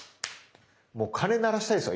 もう鐘鳴らしたいですよ